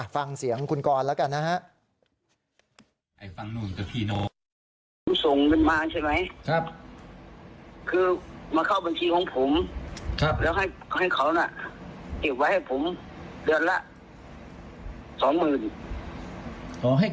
ฟังเสียงคุณกรแล้วกันนะฮะ